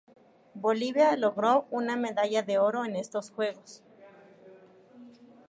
Bolivia logró una medalla de oro en estos juegos.